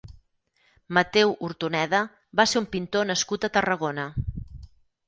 Mateu Hortoneda va ser un pintor nascut a Tarragona.